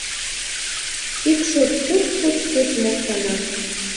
Ик шот пуд-пуд-пуд моктана.